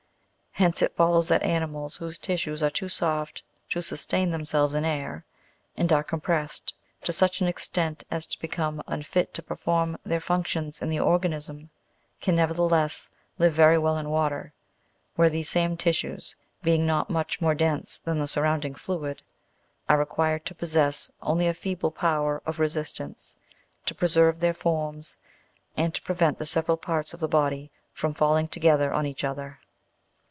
Hence it follows that animals whose tissues are too soft to sustain them selves in air, and are compressed to such an extent as to become unfit to perform their functions in the organism, can nevertheless live very well in water, where these same tissues, being not much more dense than the surrounding fluid, are required to possess only a feeble power of resistance to preserve their forms and to prevent the several parts of the body from falling together on each other.